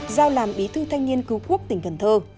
giao làm bí thư thanh niên cứu quốc tỉnh cần thơ